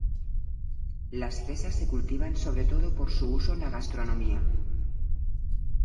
Las fresas se cultivan sobre todo por su uso en la gastronomía.